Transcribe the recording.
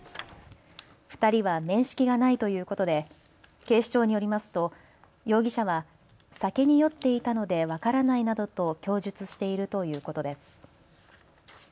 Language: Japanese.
２人は面識がないということで警視庁によりますと容疑者は酒に酔っていたので分からないなどと供述しているということです。